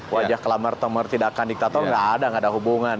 wajah kelamar temar tidak akan diktator tidak ada hubungan